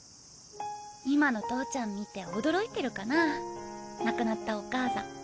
今の投ちゃん見て驚いてるかなァ亡くなったお母さん。